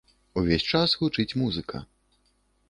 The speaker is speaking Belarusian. Увесь час гучыць музыка.